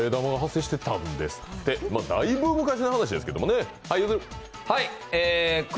だいぶ昔の話ですけどね。